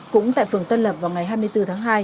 cũng tại phường tân lập vào ngày hai mươi bốn tháng hai